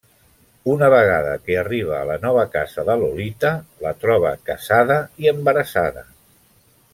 Una vegada que arriba a la nova casa de Lolita, la troba casada i embarassada.